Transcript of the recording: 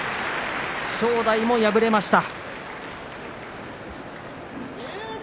正代も敗れました。